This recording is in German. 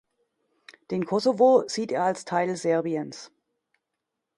Den Kosovo sieht er als Teil Serbiens.